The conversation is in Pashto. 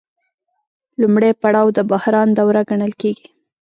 لومړی پړاو د بحران دوره ګڼل کېږي